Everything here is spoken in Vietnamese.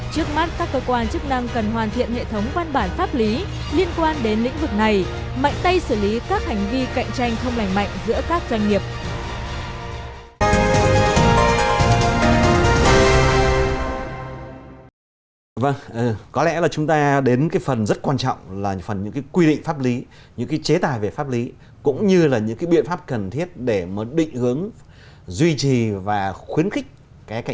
trước mắt các cơ quan chức năng cần hoàn thiện hệ thống văn bản pháp lý liên quan đến lĩnh vực này mạnh tay xử lý các hành vi cạnh tranh không lành mạnh giữa các doanh nghiệp